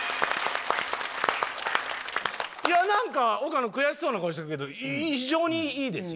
いやなんか岡野悔しそうな顔してるけど非常にいいです。